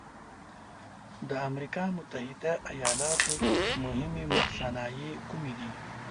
د امریکا متحد ایلاتو مهمې صنایع کومې دي؟